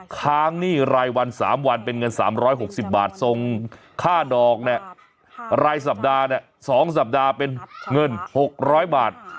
ค้างหนี้รายวัน๓วันเป็นเงิน๓๖๐บาทส่งค่าดอกเนี่ยรายสัปดาห์๒สัปดาห์เป็นเงิน๖๐๐บาท